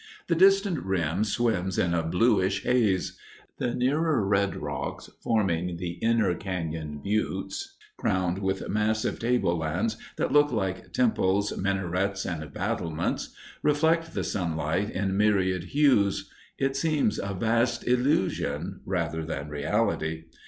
The distant rim swims in a bluish haze. The nearer red rocks forming the inner cañon buttes crowned with massive table lands that look like temples, minarets, and battlements reflect the sunlight in myriad hues. It seems a vast illusion rather than reality.